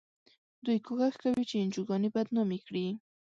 دوی کوښښ کوي چې انجوګانې بدنامې کړي.